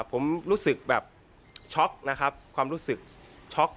ผมรู้สึกแบบช็อกนะครับความรู้สึกช็อก